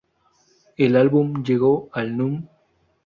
El álbum llegó al núm.